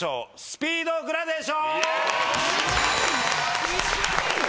スピードグラデーション！